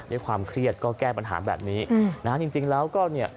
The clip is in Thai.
ด้วยความเครียดก็แก้ปัญหาแบบนี้นะฮะจริงแล้วก็เนี่ย